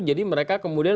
jadi mereka kemudian